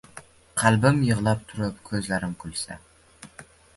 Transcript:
Qalbim yiglab turib kuzlarim kulsa